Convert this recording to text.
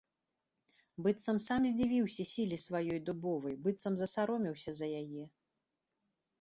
Быццам сам здзівіўся сіле сваёй дубовай, быццам засаромеўся за яе.